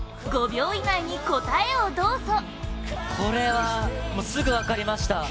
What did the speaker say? ５秒以内に答えをどうぞこれはすぐ分かりました。